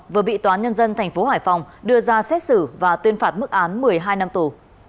vừa bị toán nhân dân thành phố hải phòng đưa ra xét xử và tuyên phạt mức án một mươi hai năm tù